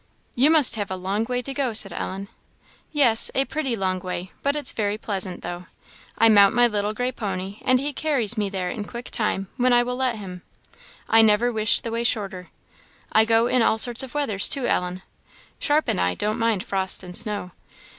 "You must have a long way to go," said Ellen. "Yes, a pretty long way, but it's very pleasant, though. I mount my little gray pony, and he carries me there in quick time, when I will let him. I never wish the way shorter. I go in all sorts of weathers, too, Ellen; Sharp and I don't mind frost and snow."